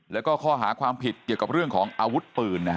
แล้วก็ข้อหาความผิดเกี่ยวกับเรื่องของอาวุธปืน